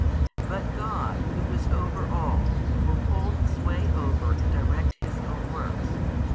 But God, Who is over all, will hold sway over and direct His own works.